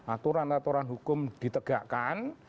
aturan aturan hukum ditegakkan